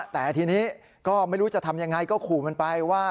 แต่ทีนี้ก็ไม่รู้จะทำยังไงก็ขู่มันไปว่า